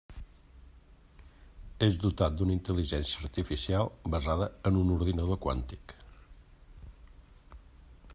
És dotat d'una intel·ligència artificial basada en un ordinador quàntic.